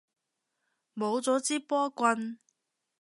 冇咗支波棍